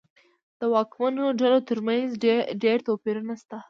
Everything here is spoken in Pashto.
د واکمنو ډلو ترمنځ ډېر توپیرونه شته.